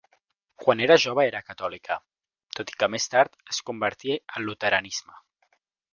Quan era jove era catòlica, tot i que més tard es convertí al luteranisme.